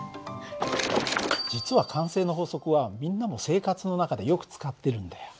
実は慣性の法則はみんなも生活の中でよく使ってるんだよ。